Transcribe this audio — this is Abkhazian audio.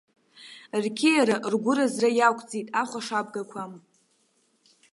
Рқьиара, ргәыразра иақәӡит, ахәашабгақәа.